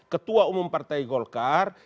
ketua umum partai golkar